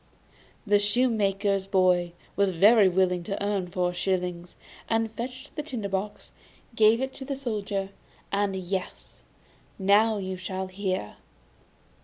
The shoemaker's boy was very willing to earn four shillings, and fetched the tinder box, gave it to the Soldier, and yes now you shall hear.